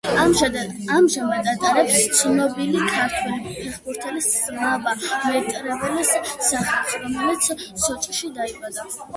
ამჟამად ატარებს ცნობილი ქართველი ფეხბურთელის სლავა მეტრეველის სახელს, რომელიც სოჭში დაიბადა.